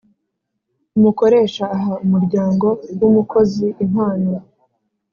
Umukoresha aha umuryango w umukozi impano